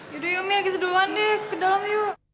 yaudah yuk mil kita duluan deh ke dalam yuk